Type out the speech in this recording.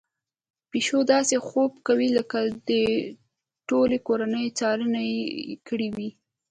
پيشو داسې خوب کوي لکه د ټولې کورنۍ څارنه يې کړې وي.